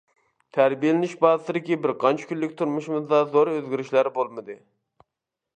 تەربىيەلىنىش بازىسىدىكى بىر قانچە كۈنلۈك تۇرمۇشىمىزدا زور ئۆزگىرىشلەر بولمىدى.